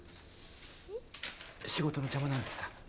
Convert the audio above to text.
仕事の邪魔なんだってさ。